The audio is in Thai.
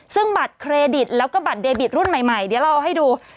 ซึ่งบัตรเครดิตแล้วก็บัตรเดบิตรุ่นใหม่เดี๋ยวเราเอาให้ดู